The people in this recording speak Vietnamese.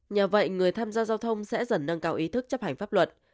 nhờ vậy người tham gia giao thông sẽ dần nâng cao ý thức chấp hành pháp luật